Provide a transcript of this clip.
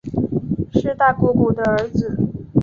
是大姑姑的儿子